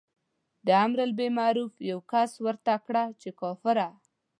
د امر بالمعروف یوه کس ورته کړه چې کافره.